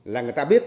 là người ta biết